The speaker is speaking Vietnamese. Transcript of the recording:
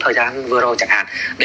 thời gian vừa rồi chẳng hạn